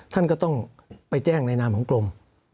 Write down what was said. ท่านก็ต้องไปแจ้งในนามของกรม